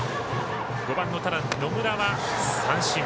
５番の野村は三振。